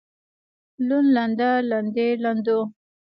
لوند لنده لندې لندو